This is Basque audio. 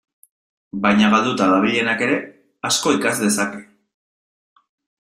Baina galduta dabilenak ere asko ikas dezake.